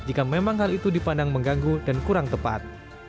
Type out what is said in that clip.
itu dipandang mengganggu dan kurang tepat